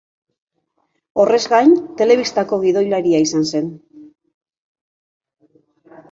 Horrez gain, telebistako gidoilaria izan zen.